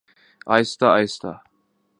آہستہ آہستہ۔